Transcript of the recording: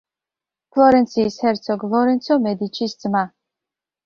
ფლორენციის ჰერცოგ ლორენცო მედიჩის ძმა.